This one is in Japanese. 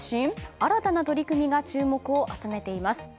新たな取り組みが注目を集めています。